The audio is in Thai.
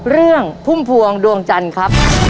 เรื่องพุ่มพวงดวงจันทร์ครับ